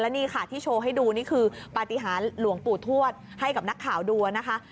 นี่ค่ะที่โชว์ให้ดูนี่คือปฏิหารหลวงปู่ทวดให้กับนักข่าวดูนะคะ